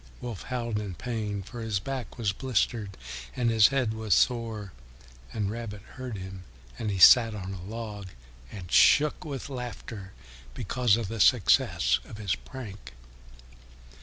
Wolf howled with pain, for his back was blistered and his head was sore, and Rabbit heard him, and he sat on a log and shook with laughter because of the success of his prank.